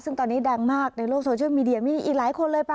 ซึ่งตอนนี้ดังมากในโลกโซเชียลมีเดียมีอีกหลายคนเลยป่